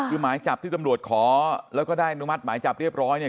คือหมายจับที่ตำรวจขอแล้วก็ได้อนุมัติหมายจับเรียบร้อยเนี่ย